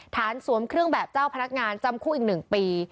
สวมเครื่องแบบเจ้าพนักงานจำคุกอีก๑ปี